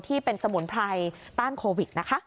ที่เป็นสมุนไพรต้านโควิดนะคะ